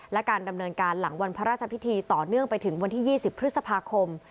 และการดำเนินการหลังวันพระราชพิธีต่อเนื่องไปถึงวันที่๒๐พฤษภาคม